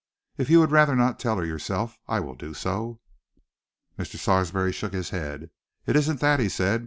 "If you would rather not tell her yourself, I will do so." Mr. Sarsby shook his head. "It isn't that," he said.